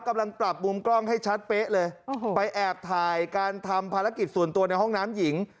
กำลังปรับมุมกล้องให้ชัดเป๊ะเลยไปแอบถ่ายการทำภารกิจส่วนตัวในห้องน้ำหญิง